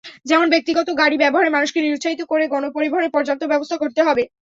যেমন ব্যক্তিগত গাড়ি ব্যবহারে মানুষকে নিরুৎসাহিত করে গণপরিবহনের পর্যাপ্ত ব্যবস্থা করতে হবে।